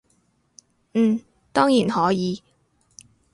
嗯，當然可以